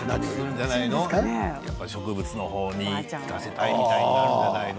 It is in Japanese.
植物の方に行かせたいみたいなことを言うんじゃないの？